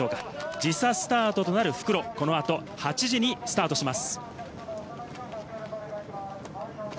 時差スタートとなる復路、この後８時にスタートします。